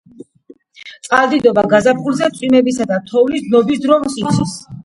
წყალდიდობა გაზაფხულზე წვიმებისა და თოვლის დნობის დროს იცის.